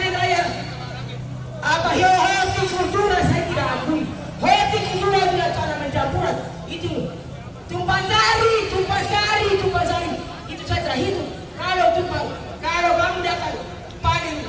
indonesia ini ilahi kelewatan